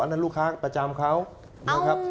อันนั้นลูกค้าประจำเขา